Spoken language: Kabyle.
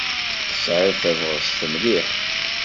Tesɛiḍ tabɣest mliḥ.